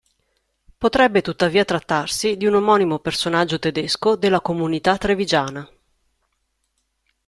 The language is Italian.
Potrebbe tuttavia trattarsi di un omonimo personaggio tedesco della comunità trevigiana.